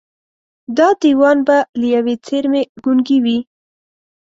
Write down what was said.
دا دېوان به له ېوې څېرمې ګونګي وي